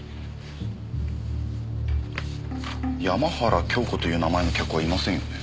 山原京子という名前の客はいませんよね。